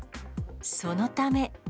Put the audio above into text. そのため。